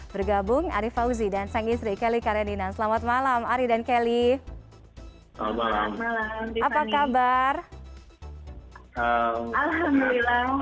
bergabung ari fauzi dan sang istri kelly karenina selamat malam ari dan kelly